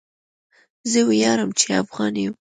زه ویاړم چې افغان یم.